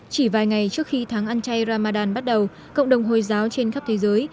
chỉ vài ngày trước khi tháng ăn chay ramadan bắt đầu cộng đồng hồi giáo trên khắp thế giới